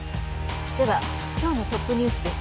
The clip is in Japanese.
では今日のトップニュースです。